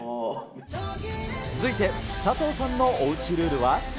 続いて、佐藤さんのおうちルールは。